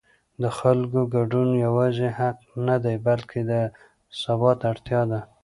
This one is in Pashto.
د خلکو ګډون یوازې حق نه دی بلکې د ثبات اړتیا ده